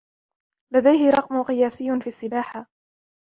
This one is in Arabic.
لديه رقم قياسي في السباحة.